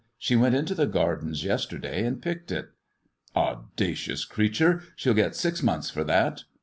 She went into the Gardens yesterday and picked it." "Audacious creature, she'll get six months for that.